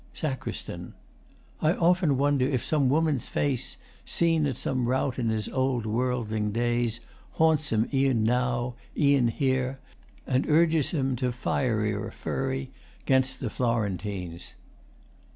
SACR. I often wonder if some woman's face, Seen at some rout in his old worldling days, Haunts him e'en now, e'en here, and urges him To fierier fury 'gainst the Florentines.